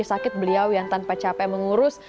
menurutnya sama beliau yang tanpa capek mengurus